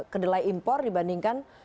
kedelai impor dibandingkan